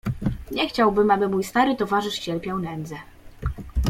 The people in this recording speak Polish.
"Nie chciałbym, aby mój stary towarzysz cierpiał nędzę."